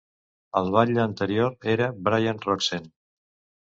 El batlle anterior era Brian Roczen.